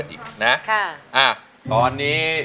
เพลงนี้ที่๕หมื่นบาทแล้วน้องแคน